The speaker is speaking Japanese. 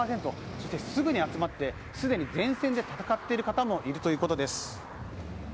そしてすぐに集まってすでに前線で戦っている方もいるということです。